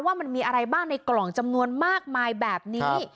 ว่ามันมีอะไรบ้างในกล่องจำนวนมากมายแบบนี้